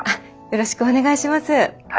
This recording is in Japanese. よろしくお願いします。